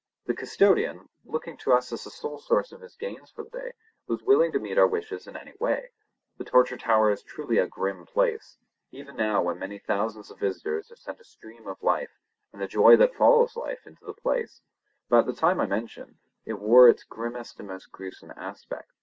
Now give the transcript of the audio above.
The custodian, looking to us as the sole source of his gains for the day, was willing to meet our wishes in any way. The Torture Tower is truly a grim place, even now when many thousands of visitors have sent a stream of life, and the joy that follows life, into the place; but at the time I mention it wore its grimmest and most gruesome aspect.